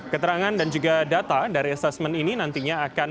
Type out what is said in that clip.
keterangan dan juga data dari asesmen ini nantinya akan